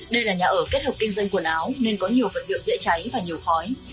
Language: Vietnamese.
đây là nhà ở kết hợp kinh doanh quần áo nên có nhiều vật liệu dễ cháy và nhiều khói